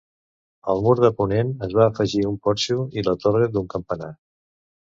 Al mur de ponent es va afegir un porxo i la torre d'un campanar.